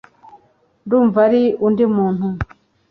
ndumva ari undi muntu